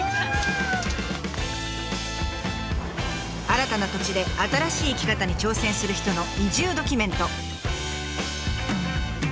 新たな土地で新しい生き方に挑戦する人の移住ドキュメント。